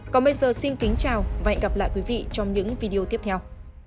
còn bây giờ xin kính chào và hẹn gặp lại quý vị trong những video tiếp theo